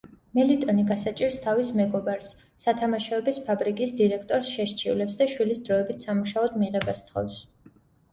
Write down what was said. მელიტონი გასაჭირს თავის მეგობარს, სათამაშოების ფაბრიკის დირექტორს შესჩივლებს და შვილის დროებით სამუშაოდ მიღებას თხოვს.